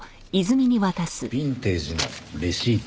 ビンテージのレシート。